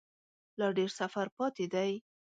لا ډیر سفر پاته دی